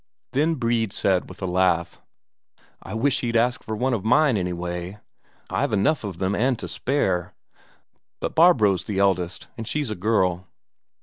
Then said Brede with a laugh: "I wish he'd ask for one of mine, anyway. I've enough of them and to spare. But Barbro's the eldest, and she's a girl."